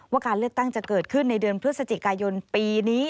การเลือกตั้งจะเกิดขึ้นในเดือนพฤศจิกายนปีนี้